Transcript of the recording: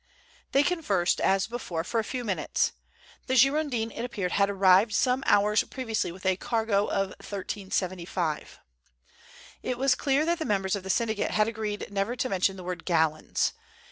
They conversed as before for a few minutes. The Girondin, it appeared, had arrived some hours previously with a cargo of "1375." It was clear that the members of the syndicate had agreed never to mention the word "gallons."